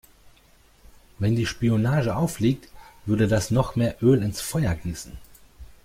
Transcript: Wenn die Spionage auffliegt, würde das noch mehr Öl ins Feuer gießen.